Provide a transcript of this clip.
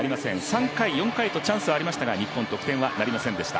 ３回、４回とチャンスがありましたが日本は得点になりませんでした。